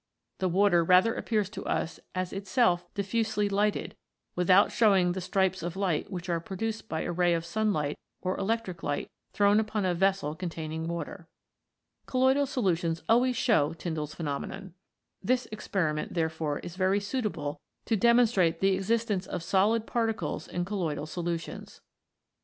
The water rather appears to us as itself diffusely lighted without showing the stripes of light which are produced by a ray of sunlight or electric light thrown upon a vessel containing water. Colloidal solutions always show TyndalTs Phenomenon. This experiment, 24 COLLOIDS IN PROTOPLASM therefore, is very suitable to demonstrate the existence of solid particles in colloidal solutions.